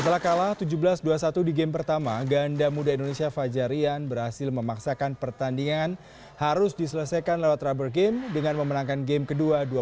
setelah kalah tujuh belas dua puluh satu di game pertama ganda muda indonesia fajar rian berhasil memaksakan pertandingan harus diselesaikan lewat rubber game dengan memenangkan game ke dua dua puluh satu delapan belas